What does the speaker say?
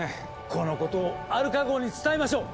このことをアルカ号に伝えましょう。